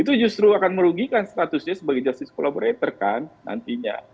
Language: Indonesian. itu justru akan merugikan statusnya sebagai justice collaborator kan nantinya